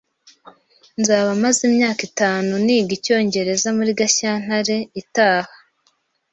Nzaba maze imyaka itanu niga icyongereza muri Gashyantare itaha.